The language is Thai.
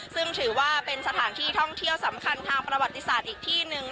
ซึ่งถือว่าเป็นสถานที่ท่องเที่ยวสำคัญทางประวัติศาสตร์อีกที่หนึ่ง